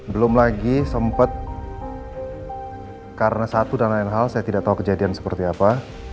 belum lagi sempat karena satu dan lain hal saya tidak tahu kejadian seperti apa